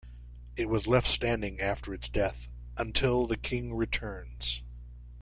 It was left standing after its death "until the King returns".